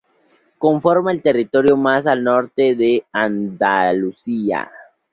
Conforma el territorio más al norte de Andalucía.